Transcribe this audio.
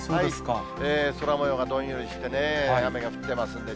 空もようがどんよりしてね、雨が降っています。